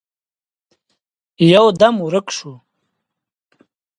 يودم ورک شو.